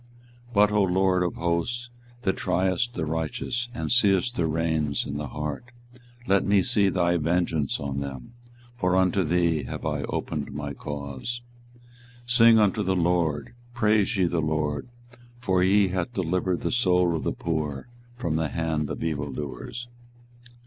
24:020:012 But, O LORD of hosts, that triest the righteous, and seest the reins and the heart, let me see thy vengeance on them: for unto thee have I opened my cause. 24:020:013 Sing unto the LORD, praise ye the LORD: for he hath delivered the soul of the poor from the hand of evildoers.